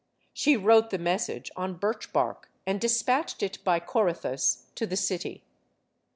She wrote the message on birch bark and dispatched it, by Corythus, to the city.